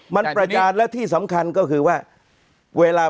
มันประยานและที่สำคัญก็คือว่าเวลา